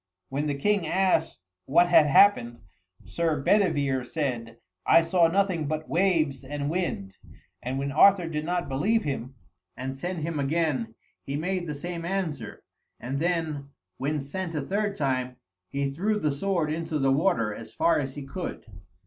When the king asked what had happened, Sir Bedivere said, "I saw nothing but waves and wind," and when Arthur did not believe him, and sent him again, he made the same answer, and then, when sent a third time, he threw the sword into the water, as far as he could.